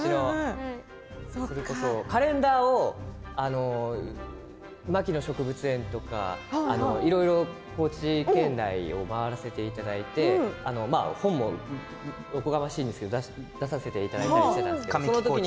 それこそカレンダーを牧野植物園とかいろいろ高知県内を回らせていただいて本もおこがましいんですけれども出させていただいて。